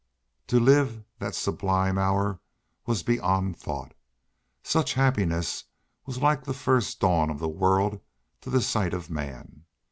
To live that sublime hour was beyond thought. Such happiness was like the first dawn of the world to the sight of man.